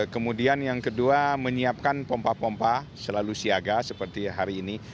kemudian yang kedua menyiapkan pompa pompa selalu siaga seperti hari ini